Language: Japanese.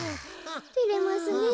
てれますねえ。